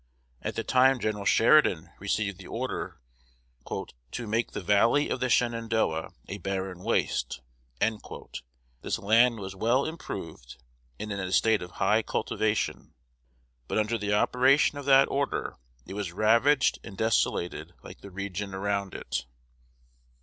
At the time Gen. Sheridan received the order "to make the Valley of the Shenandoah a barren waste," this land was well improved and in a state of high cultivation; but under the operation of that order it was ravaged and desolated like the region around it.